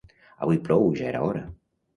Avui plou, ja era hora!